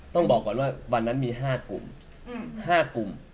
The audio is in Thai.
ต้องบอกก่อนว่าวันนั้นมี๕กลุ่ม๕กลุ่ม